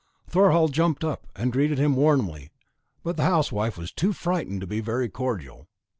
Thorhall jumped up and greeted him warmly, but the housewife was too frightened to be very cordial.